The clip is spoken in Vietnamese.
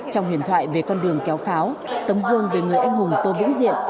trong huyền thoại về con đường kéo pháo tấm vương về người anh hùng tô vĩ diện